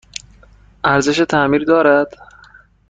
ارزش تعمیر دارد؟